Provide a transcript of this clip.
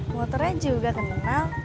motornya juga kenal